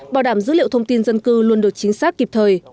bảo đảm dữ liệu thông tin dân cư luôn được chính xác kịp thời